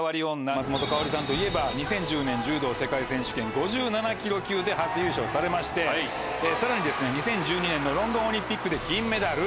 松本薫さんといえば２０１０年柔道世界選手権５７ｋｇ級で初優勝されましてさらに２０１２年のロンドンオリンピックで金メダル。